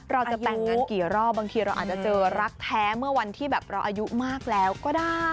เราจะแต่งงานกี่รอบบางทีเราอาจจะเจอรักแท้เมื่อวันที่แบบเราอายุมากแล้วก็ได้